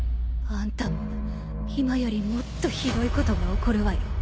あんたも今よりもっとひどいことが起こるわよ